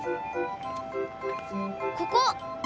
ここ！